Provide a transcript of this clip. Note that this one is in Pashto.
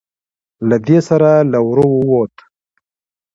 له دې سره له وره ووت.